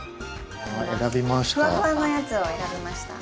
選びました。